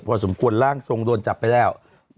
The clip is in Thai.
พอสมควรร่างทรงโดนจับไปแล้ว